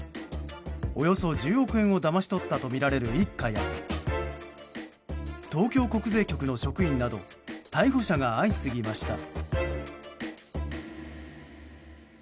およそ１０億円をだまし取ったとみられる一家や東京国税局の職員など逮捕者が相次ぎました。